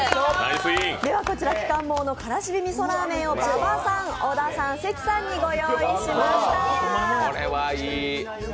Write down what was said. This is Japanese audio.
こちら、鬼金棒のカラシビ味噌らー麺を馬場さん、小田さん、関さんにご用意しました。